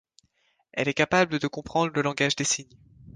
Elle est capable de comprendre le langage des signes.